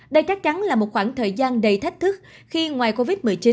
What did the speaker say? đây chắc chắn là một khoảng thời gian đầy thách thức khi ngoài covid một mươi chín